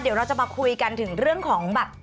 เดี๋ยวเราจะมาคุยกันถึงเรื่องของแบบ